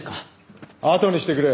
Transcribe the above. あとにしてくれ。